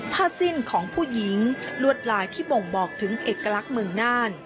ผ้าสิ้นของผู้หญิงลวดลายที่บ่งบอกถึงเอกลักษณ์เมืองน่าน